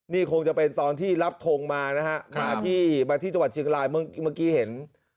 นี่คงจะเป็นตอนที่รับทงมานะฮะมาที่มาที่จังหวัดเชียงรายเมื่อกี้เห็น